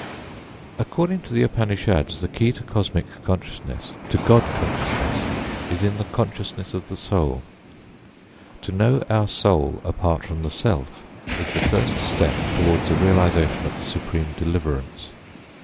According to the Upanishads, the key to cosmic consciousness, to God consciousness, is in the consciousness of the soul. To know our soul apart from the self is the first step towards the realisation of the supreme deliverance.